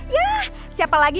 yah siapa lagi